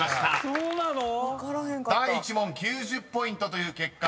そうなの⁉［第１問９０ポイントという結果。